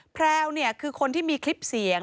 แพรวคือคนที่มีคลิปเสียง